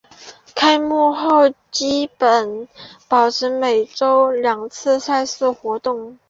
开幕后基本保持每周两次赛事活动。